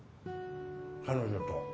彼女と？